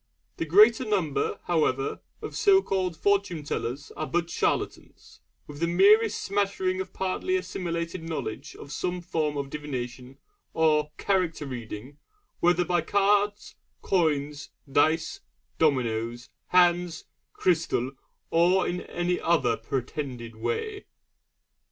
The greater number, however, of so called Fortune tellers are but charlatans, with the merest smattering of partly assimilated knowledge of some form of divination or 'character reading'; whether by the cards, coins, dice, dominoes, hands, crystal, or in any other pretended way.